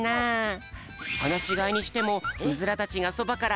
はなしがいにしてもウズラたちがそばからはなれない。